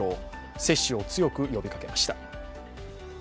接種を強く呼びかけました。